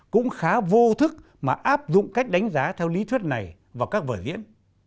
cũng khá vô thức mà áp dụng cách đánh giá theo lý thuyết này vào các vở diễn